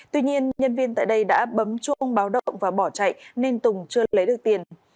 tuy nhiên nhân viên tại đây đã bấm chuông báo động và bỏ chạy nên tùng chưa lấy được tiền